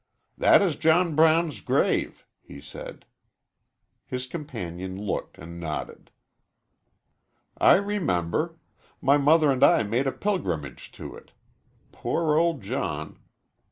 "That is John Brown's grave," he said. His companion looked and nodded. "I remember. My mother and I made a pilgrimage to it. Poor old John.